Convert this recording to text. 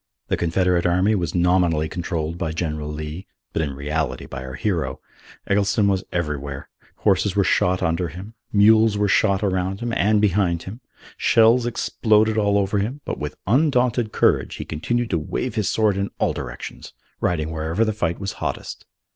The Confederate Army was nominally controlled by General Lee, but in reality by our hero. Eggleston was everywhere. Horses were shot under him. Mules were shot around him and behind him. Shells exploded all over him; but with undaunted courage he continued to wave his sword in all directions, riding wherever the fight was hottest.